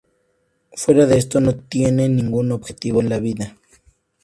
Fuera de esto, no tiene ningún objetivo en la vida.